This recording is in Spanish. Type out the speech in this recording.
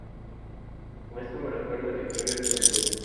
Cómo esto me recuerda mi propia juventud.